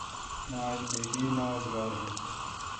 مہ آج بیہی نا اوزگار این